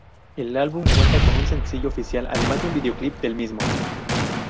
El álbum cuenta con un sencillo oficial además de un Videoclip del mismo.